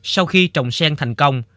sau khi trồng sen thành công